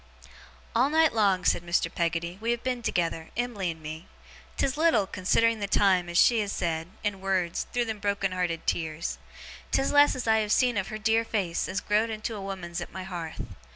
'All night long,' said Mr. Peggotty, 'we have been together, Em'ly and me. 'Tis little (considering the time) as she has said, in wureds, through them broken hearted tears; 'tis less as I have seen of her dear face, as grow'd into a woman's at my hearth.